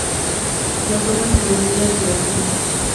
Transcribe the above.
La forma femenina es Gräfin.